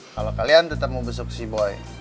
kalo kalian tetep mau besok si boy